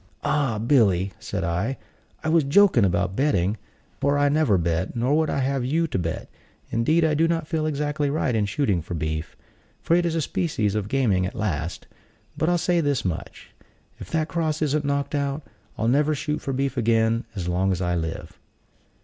"Ah, Billy," said I, "I was joking about betting, for I never bet; nor would I have you to bet: indeed, I do not feel exactly right in shooting for beef; for it is a species of gaming at last: but I'll say this much: if that cross isn't knocked out, I'll never shoot for beef again as long as I live."